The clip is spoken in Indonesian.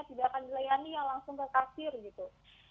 tidak akan dilayani yang langsung ke kasir gitu